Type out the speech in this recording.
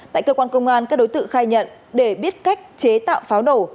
tại cơ quan công an các đối tượng khai nhận để biết cách chế tạo pháo nổ